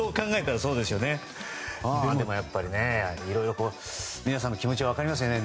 でもやっぱりいろいろ皆さんの気持ちは分かりますね。